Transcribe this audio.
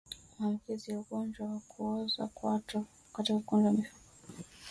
Maambukizi ya ugonjwa wa kuoza kwato katika kundi la mifugo